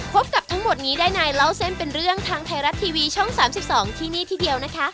พบกับทั้งหมดนี้ได้ในเล่าเส้นเป็นเรื่องทางไทยรัฐทีวีช่อง๓๒ที่นี่ทีเดียวนะคะ